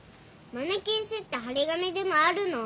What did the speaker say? マネきん止ってはり紙でもあるの？